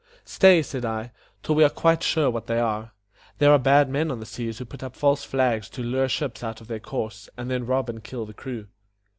"Stay," said I, "till we are quite sure what they are. There are bad men on the seas who put up false flags to lure ships out of their course, and then rob and kill the crew."